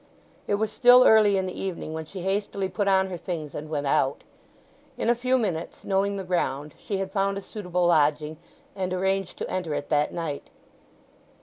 It was still early in the evening when she hastily put on her things and went out. In a few minutes, knowing the ground, she had found a suitable lodging, and arranged to enter it that night.